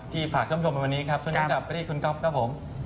ที่ฝากชมชมในวันนี้ครับส่วนกับพี่คุณก๊อบครับผม